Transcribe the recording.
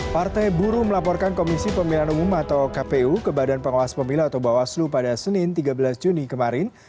partai buruh melaporkan komisi pemilihan umum atau kpu ke badan pengawas pemilu atau bawaslu pada senin tiga belas juni kemarin